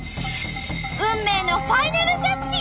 運命のファイナルジャッジ！